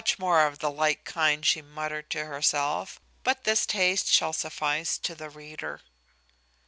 Much more of the like kind she muttered to herself; but this taste shall suffice to the reader.